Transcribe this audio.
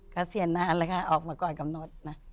เกษียณนานแล้วค่ะออกมาก่อนกำหนดนะ